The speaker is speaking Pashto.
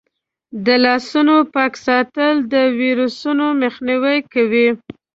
د لاسونو پاک ساتل د ویروسونو مخنیوی کوي.